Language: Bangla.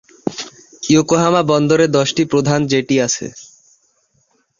ইয়োকোহামা বন্দরে দশটি প্রধান জেটি আছে।